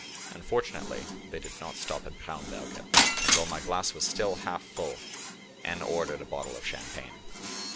Unfortunately, they did not stop at Braunberger; and while my glass was still half full, N. ordered a bottle of champagne.